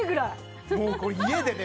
もうこれ家でね